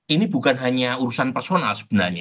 ini bukan hanya urusan personal sebenarnya